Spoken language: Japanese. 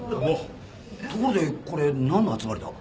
ところでこれ何の集まりだ？